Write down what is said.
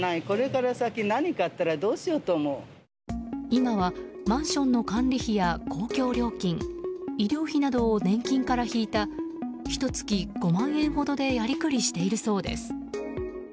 今はマンションの管理費や公共料金医療費などを年金から引いたひと月５万円ほどでやりくりしているそうです。